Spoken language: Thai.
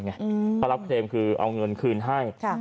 เครมคือเอาเงินคืนให้